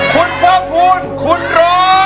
คุณเพิ่มพูดคุณรอ